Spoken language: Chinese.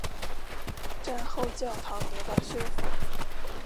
战后教堂得到修复。